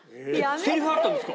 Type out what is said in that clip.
セリフがあったんですか？